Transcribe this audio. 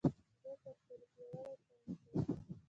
زړه تر ټولو پیاوړې پمپ دی.